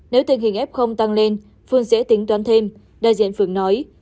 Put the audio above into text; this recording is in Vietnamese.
nếu tình hình f tăng lên phương sẽ tính toán thêm đại diện phương nói